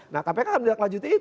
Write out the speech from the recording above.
nah kpk tidak lanjutin itu